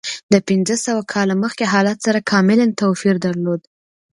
د پنځه سوه کاله مخکې حالت سره کاملا توپیر درلود.